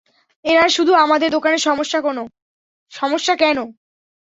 এনার শুধু আমাদের দোকানে সমস্যা কেনো?